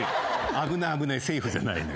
危ない危ないセーフじゃないのよ。